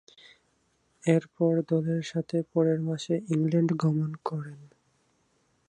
এরপর, দলের সাথে পরের মাসে ইংল্যান্ড গমন করেন।